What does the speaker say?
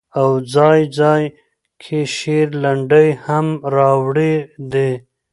او ځاى ځاى کې شعر، لنډۍ هم را وړي دي